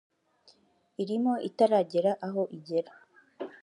imirimo itaragera aho igera